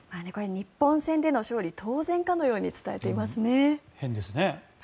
日本戦での勝利、当然かのように伝えていますね。